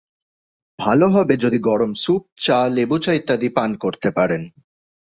ভালো হবে যদি গরম স্যুপ, চা, লেবু-চা ইত্যাদি পান করতে পারেন।